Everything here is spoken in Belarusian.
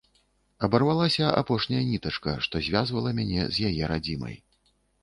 Абарвалася апошняя нітачка, што звязвала мяне з яе радзімай.